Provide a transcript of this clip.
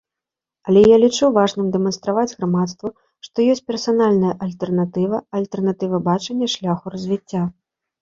Але я лічу важным дэманстраваць грамадству, што ёсць персанальная альтэрнатыва, альтэрнатыва бачання шляху развіцця.